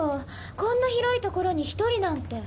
こんな広い所に一人なんて。